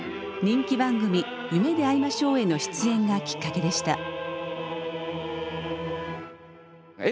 人気番組「夢であいましょう」への出演がきっかけでした。